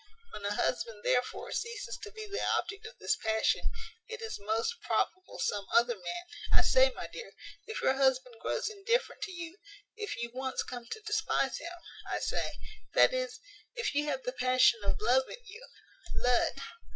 When a husband, therefore, ceases to be the object of this passion, it is most probable some other man I say, my dear, if your husband grows indifferent to you if you once come to despise him I say that is if you have the passion of love in you Lud!